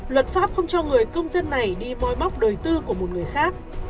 luật pháp không cho người công dân này đi môi móc đời tư của một người khác